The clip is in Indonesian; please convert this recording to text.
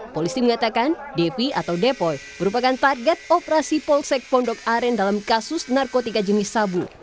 polisi mengatakan devi atau depo merupakan target operasi polsek pondok aren dalam kasus narkotika jenis sabu